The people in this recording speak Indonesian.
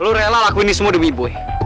lo rela lakuin ini semua demi boy